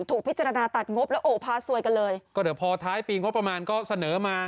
ถูกพิจารณาตัดงบแล้วโอพาซวยกันเลยก็เดี๋ยวพอท้ายปีงบประมาณก็เสนอมา